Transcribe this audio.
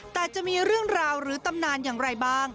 แต่จะมีเรื่องราวหรือตำนานอย่างไรบ้าง